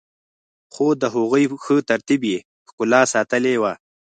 خو د هغوی ښه ترتیب يې ښکلا ساتلي وه.